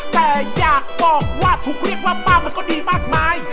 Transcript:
แต่อยากบอกว่าถูกเรียกว่าป้ามันก็ดีมากมาย